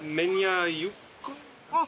あっ！